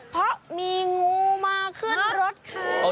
เพราะมีงูมาขึ้นรถเขา